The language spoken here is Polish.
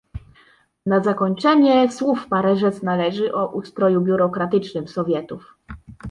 "Na zakończenie słów parę rzec należy o ustroju biurokratycznym Sowietów."